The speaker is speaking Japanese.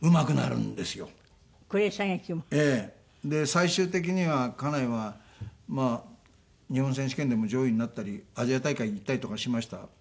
最終的には家内はまあ日本選手権でも上位になったりアジア大会に行ったりとかしましたけど。